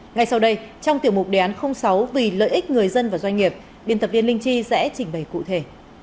ngay sau đây trong tiểu mục đề án sáu vì lợi ích người dân và doanh nghiệp biên tập viên linh chi sẽ trình bày cụ thể